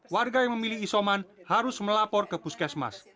warga yang memilih isoman harus melapor ke puskesmas